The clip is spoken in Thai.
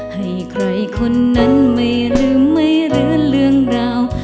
ให้ใครคนนั้นไม่ลืมไม่เหลือเรื่องราว